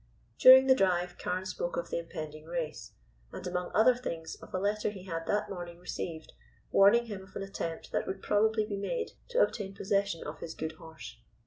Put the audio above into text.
During the drive, Carne spoke of the impending race, and among other things of a letter he had that morning received, warning him of an attempt that would probably be made to obtain possession of his good horse.